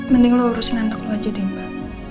mending lo urusin anak lo aja deh mbak